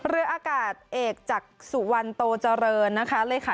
เรืออากาศเอกจากสุวรรณโตเจริญนะคะเลขา